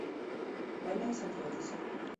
Banda San Francisco.